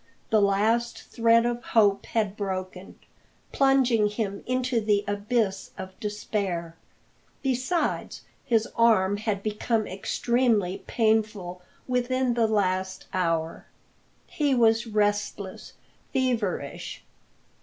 The last thread of hope had broken, plunging him into the abyss of despair. Besides, his arm had become extremely painful within the last hour; he was restless, feverish.